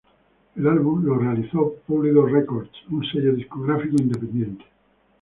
El álbum lo realizó Polydor Records, un sello discográfico independiente.